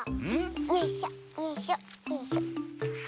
よいしょよいしょよいしょ。